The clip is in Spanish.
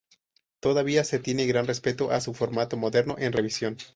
Todavía se tiene gran respeto a su formato moderno, en revisión.